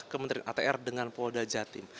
ke menteri atr dengan polda jatim